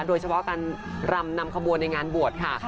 โดยเฉพาะการรำนำขบวนในงานบวชค่ะ